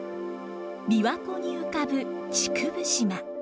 琵琶湖に浮かぶ竹生島。